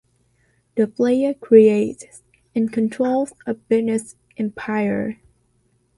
The player creates and controls a business empire.